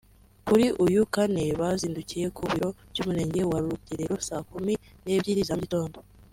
Kuri uyu Kane bazindukiye ku biro by’Umurenge wa Rugerero saa kumi n’ebyiri za mu gitondo